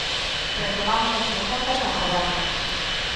Retomamos as preguntas ao Goberno.